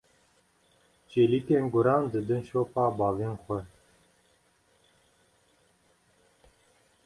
Çêlikên guran didin şopa bavên xwe.